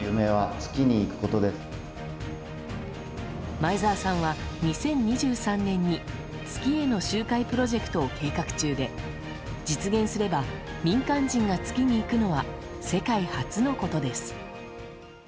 前澤さんは２０２３年に月への周回プロジェクトを計画中で実現すれば民間人が月に行くのは世界初のことです。